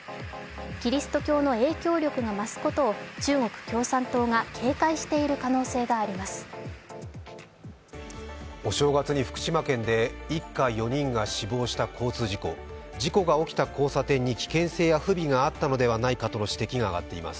キリスト教の影響力が増すことを、中国共産党が警戒している可能性があります。